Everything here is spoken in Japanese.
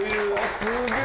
すげえ